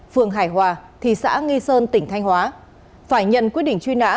phường hải hòa thị xã nghi sơn tỉnh thanh hóa phải nhận quyết định truy nã